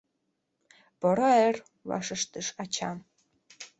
— Поро эр! — вашештыш ача.